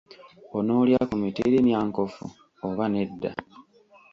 Onoolya ku mitirimyankofu oba nedda?